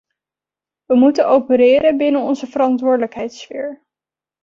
We moeten opereren binnen onze verantwoordelijkheidssfeer.